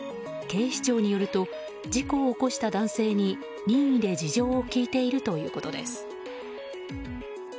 警視庁によると事故を起こした男性に任意で事情を聴いているということです。